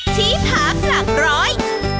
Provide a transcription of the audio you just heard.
ที่พักหลักร้อย